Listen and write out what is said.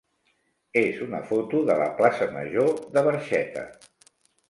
és una foto de la plaça major de Barxeta.